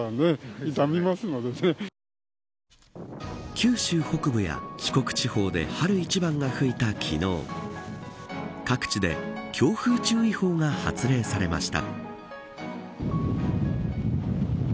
九州北部や四国地方で春一番が吹いた昨日各地で強風注意報が発令されました。